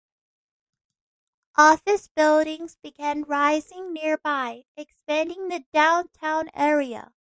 Office buildings began rising nearby, expanding the downtown area.